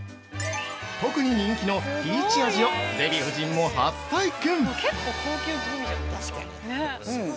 ◆特に人気のピーチ味をデヴィ夫人も初体験。